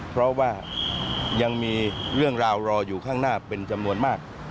เพราะว่ายังมีเรื่องราวรออยู่ข้างหน้าเป็นจำนวนมาก